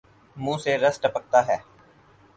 منہ سے رس ٹپکتا ہے